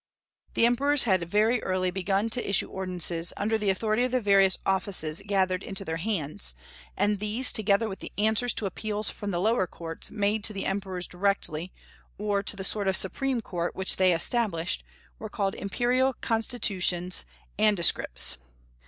The emperors had very early begun to issue ordinances, under the authority of the various offices gathered into their hands; and these, together with the answers to appeals from the lower courts made to the emperors directly, or to the sort of supreme court which they established, were called imperial constitutions and rescripts.